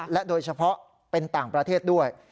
โดยเฉพาะเป็นต่างประเทศด้วย